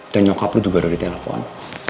dan nyokap lo juga udah ditelepon